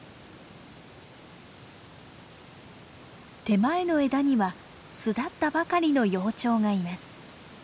手前の枝には巣立ったばかりの幼鳥がいます。